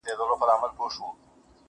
خلک عادي ژوند ته ستنېږي ورو,